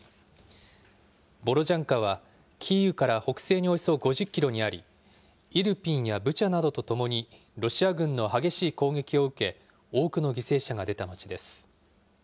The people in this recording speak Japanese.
ボロジャンカは、キーウから北西におよそ５０キロにあり、イルピンやブチャなどとともに、ロシア軍の激しい攻撃を受け、多くの犠牲者が出た町です。